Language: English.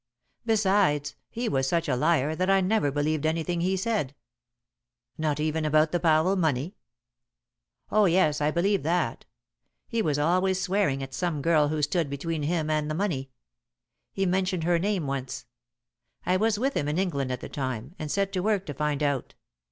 Besides, he was such a liar that I never believed anything he said." "Not even about the Powell money?" "Oh, yes, I believed that. He was always swearing at some girl who stood between him and the money. He mentioned her name once. I was with him in England at the time, and set to work to find out.